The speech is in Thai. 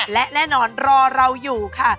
และแน่นอนรอเราอยู่ค่ะ